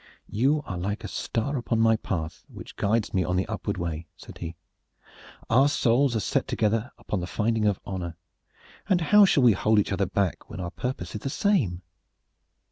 "You are like a star upon my path which guides me on the upward way," said he. "Our souls are set together upon the finding of honor, and how shall we hold each other back when our purpose is the same?"